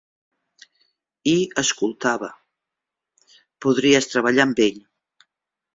I escoltava... Podries treballar amb ell.